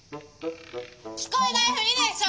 「聞こえないふりでしょ！」。